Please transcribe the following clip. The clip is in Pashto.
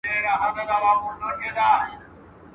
پخواني کروندګر سخت کار کاوه.